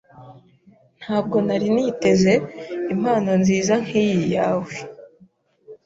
Ntabwo nari niteze impano nziza nkiyi yawe.